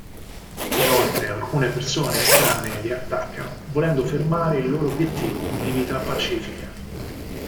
Inoltre, alcune persone estranee li attaccano, volendo fermare il loro obiettivo di vita pacifica.